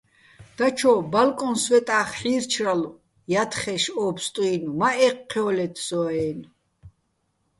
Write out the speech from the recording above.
დაჩო ბალკოჼ სვეტახ ჰ̦ი́რჩრალო̆ ჲათხეშ ო ფსტუ́ჲნო̆: მა ე́ჴჴჲო́ლეთ სო-აჲნო̆.